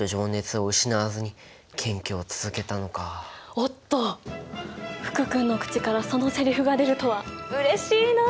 おっと福君の口からそのセリフが出るとはうれしいな！